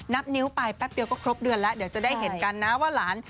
นับนิ้วไปแป๊บเดียวก็ครบเดือนแล้วเดี๋ยวจะได้เห็นกันนะว่าหลาน